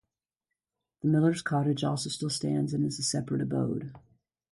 The miller's cottage also still stands and is a separate abode.